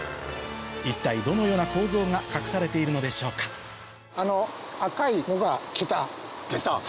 一体どのような構造が隠されているのでしょうか桁。